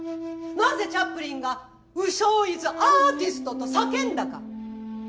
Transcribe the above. なぜチャップリンが「鵜匠イズアーティスト」と叫んだか。